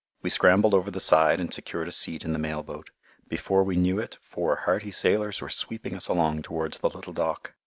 We scrambled over the side and secured a seat in the mail boat. Before we knew it four hearty sailors were sweeping us along towards the little dock.